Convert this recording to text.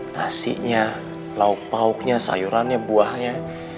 nasinya lauk pauknya sayurannya buahnya